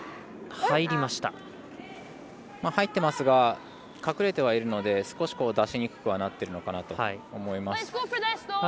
入ってますが隠れてはいるので少し出しにくくはなってるかなと思います。